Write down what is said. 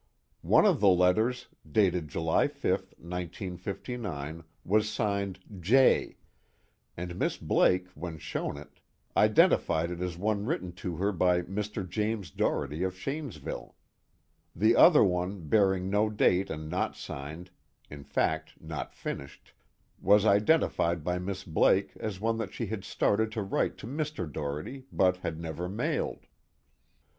One of the letters, dated July 5, 1959, was signed 'J', and Miss Blake, when shown it, identified it as one written to her by Mr. James Doherty of Shanesville. The other one, bearing no date and not signed in fact not finished was identified by Miss Blake as one that she had started to write to Mr. Doherty, but had never mailed."